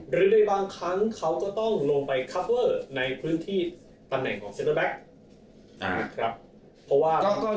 หรือในบางครั้งเขาก็ต้องลงไปคัฟเวอร์ในพื้นที่ตำแหน่งของเซ็นเตอร์แบ็ค